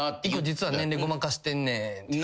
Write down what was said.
実は年齢ごまかしてんねん。